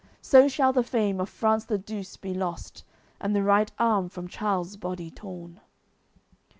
So shall the fame of France the Douce be lost, And the right arm from Charles body torn."